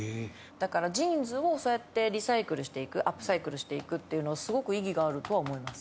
だからジーンズをそうやってリサイクルしていくアップサイクルしていくっていうのはすごく意義があるとは思います。